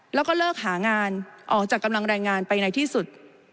แล้วก็เลิกหางานออกจากกำลังแรงงานไปในที่สุด